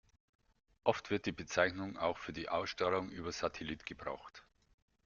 Oft wird die Bezeichnung auch für die Ausstrahlung über Satellit gebraucht.